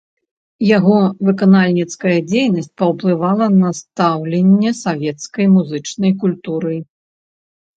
Яго выканальніцкая дзейнасць паўплывала на станаўленне савецкай музычнай культуры.